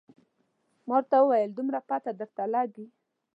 ما ورته وویل دومره پته درته لګي.